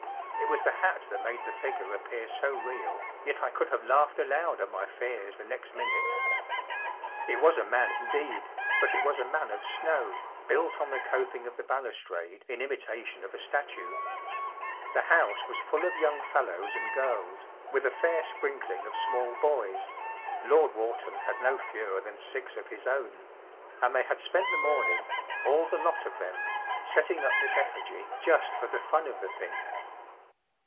It was the hat that made the figure appear so real, yet I could have laughed aloud at my fears the next minute. It was a man indeed, but it was a man of snow*, bulk on the coping or the balustrade in imitation of a statue. The house was full of young fellows and girls, with a fair sprinkling of small boys‚ÄĒLord Wharton had no fewer than six of his own; and they had spent the morning‚ÄĒall the lot of them‚ÄĒ setting up this effigy, just for the fun of the thing.